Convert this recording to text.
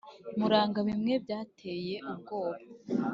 muranga bimwe byateye ubu